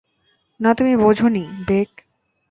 না, তুমি বোঝোনি, বেক।